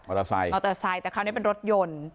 มอเตอร์ไซด์มอเตอร์ไซด์แต่คราวนี้เป็นรถยนต์